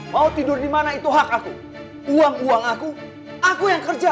mau tidur dimana itu hak aku uang uang aku aku yang kerja